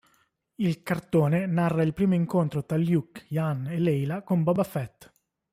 Il cartone narra il primo incontro tra Luke, Ian e Leila con Boba Fett.